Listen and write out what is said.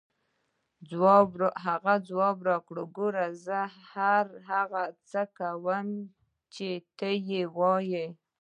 هغې ځواب راکړ: وګوره، زه هر هغه څه کوم چې ته یې وایې.